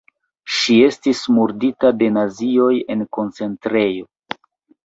Ŝi estis murdita de nazioj en koncentrejo.